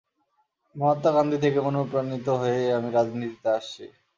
মহাত্মা গান্ধি থেকে অনুপ্রাণিত হয়েই আমি রাজনীতিতে আসছি।